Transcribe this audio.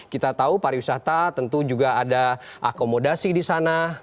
kita tahu pariwisata tentu juga ada akomodasi di sana